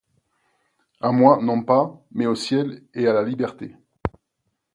A moi, non pas, mais au ciel et à la liberté.